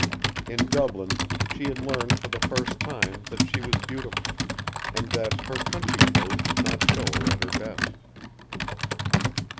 In Dublin she had learned for the first time that she was beautiful, and that her country clothes did not show her at her best.